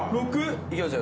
いきますよ